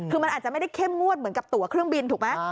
คือมันอาจจะไม่ได้เข้มงวดเหมือนกับตัวเครื่องบินถูกไหม